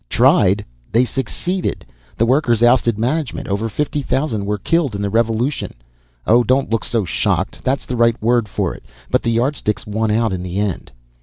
"Tried? They succeeded. The workers ousted management. Over fifty thousand were killed in the revolution oh, don't look so shocked, that's the right word for it! but the Yardsticks won out in the end."